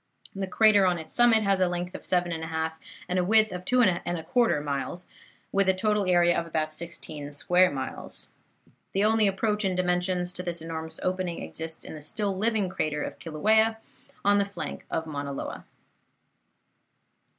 The crater on its summit has a length of 7 1/2 and a width of 2 1/4 miles, with a total area of about sixteen square miles. The only approach in dimensions to this enormous opening exists in the still living crater of Kilauea, on the flank of Mauna Loa.